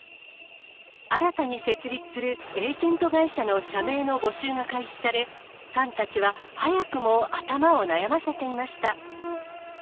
新たに設立するエージェント会社の社名の募集が開始され、ファンたちは早くも頭を悩ませていました。